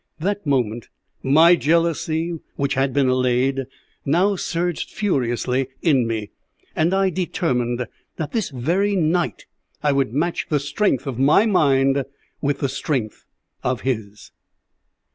That moment my jealousy, which had been allayed, now surged furiously in me, and I determined that that very night I would match the strength of my mind with the strength of his.